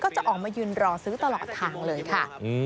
จะออกมายืนรอซื้อตลอดทางเลยค่ะ